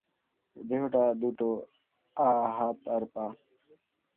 দেহটা, দুটো হাত আর পা।